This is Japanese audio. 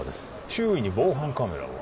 周囲に防犯カメラは？